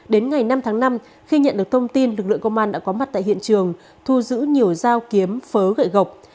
đến ngày năm tháng năm khi nhận được thông tin lực lượng công an đã có mặt tại hiện trường thu giữ nhiều dao kiếm phớ gậy gộc